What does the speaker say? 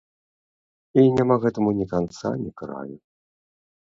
І няма гэтаму ні канца ні краю.